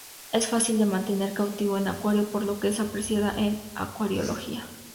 Es fácil de mantener cautivo en acuario, por lo que es apreciada en acuariología.